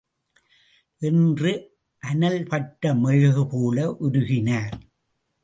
என்று அனல்பட்ட மெழுகு போல உருகினார்.